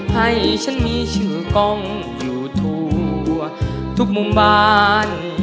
ให้ฉันมีชื่อกล้องอยู่ทั่วทุกมุมบ้าน